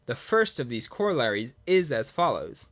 The first of these corollaries is as follows.